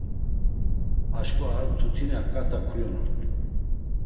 Aşǩva ar mtutina ǩata kuyonurt̆u.